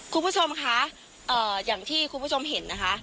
คุณผู้ชมคะอย่างที่คุณผู้ชมเห็นนะคะ